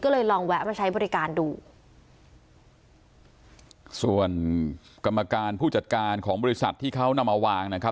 ก็เลยลองแวะมาใช้บริการดูส่วนกรรมการผู้จัดการของบริษัทที่เขานำมาวางนะครับ